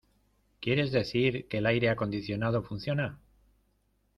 ¿Quieres decir que el aire acondicionado funciona?